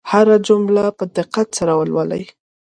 هره جمله په دقت سره لولئ.